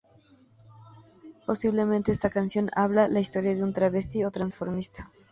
Posiblemente esta canción habla la historia de un travesti o transformista.